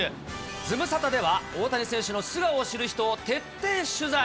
ズムサタでは、大谷選手の素顔を知る人を徹底取材。